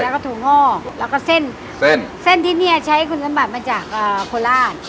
แล้วก็ถั่วงอกแล้วก็เส้นเส้นเส้นที่เนี่ยใช้คุณสมบัติมาจากโคราช